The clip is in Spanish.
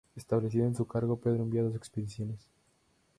Establecido en su cargo, Pedro envía dos expediciones.